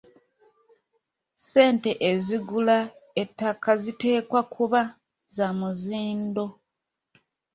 Ssente ezigula ettaka ziteekwa kuba za muzindo.